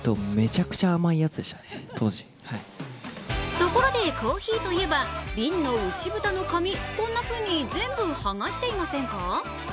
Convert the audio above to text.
ところでコーヒーといえば、瓶の内蓋の紙こんなふうに全部剥がしていませんか。